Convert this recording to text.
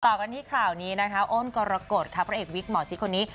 ต่อกันที่ข่าวนี้นะคะอ้นกรกฎค่ะพระเอกวิกหมอชิดคนนี้